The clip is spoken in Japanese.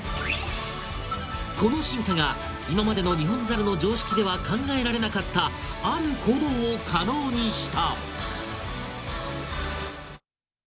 この進化がいままでのニホンザルの常識では考えられなかったある行動を可能にした！